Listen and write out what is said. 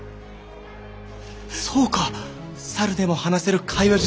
そうか「サルでも話せる会話術」